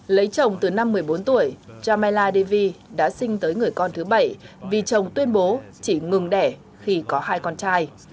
lấy chồng từ năm một mươi bốn tuổi jamala devi đã sinh tới người con thứ bảy vì chồng tuyên bố chỉ ngừng đẻ khi có hai con trai